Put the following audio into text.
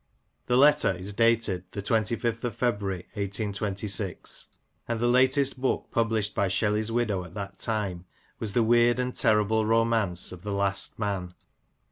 The letter is dated the 25th of February 1826 ; and the latest book published by Shelley's widow at that time was the weird and terrible romance of The Last Man.